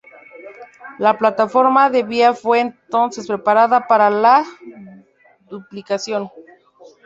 La plataforma de vía fue, entonces, preparada para la duplicación.